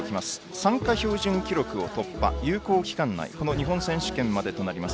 参加標準記録を突破有効期間内日本選手権までとなります。